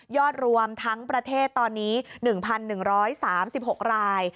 รวมทั้งประเทศตอนนี้๑๑๓๖ราย